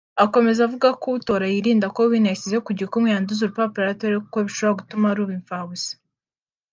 Akomeza avuga ko utora yirinda ko wino yashyize ku gikumwe yanduza urupapuro yatoreyeho kuko bishobora gutuma ruba impfabusa